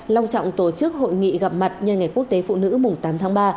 long trọng tổ chức hội nghị gặp mặt nhân ngày quốc tế phụ nữ mùng tám tháng ba